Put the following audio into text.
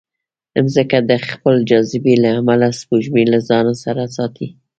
مځکه د خپل جاذبې له امله سپوږمۍ له ځانه سره ساتي.